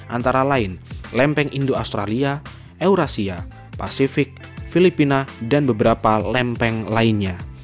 antara lain lempeng indo australia eurasia pasifik filipina dan beberapa lempeng lainnya